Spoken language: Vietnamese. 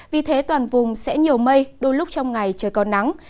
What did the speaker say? vì thế toàn vùng sẽ nhiều mây đôi lúc trong ngày trời còn nắng